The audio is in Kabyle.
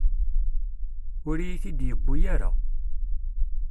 Ur iyi-t-id-yuwi ara.